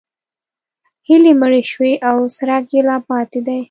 هیلې مړې شوي که څرک یې لا پاتې دی؟